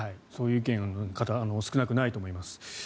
そういう意見の方少なくないと思います。